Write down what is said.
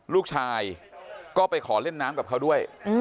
ลูกชายก็ไปขอเล่นน้ำกับเขาด้วย